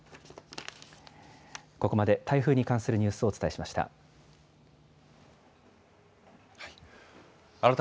ここまで台風に関するニュースをお伝えしました。